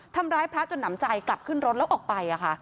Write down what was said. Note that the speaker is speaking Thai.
ทำร้ายพระจนหนำใจกลับขึ้นรถแล้วออกไป